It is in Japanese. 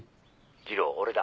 二郎俺だ